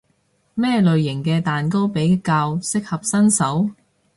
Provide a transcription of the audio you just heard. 咩類型嘅蛋糕比較適合新手？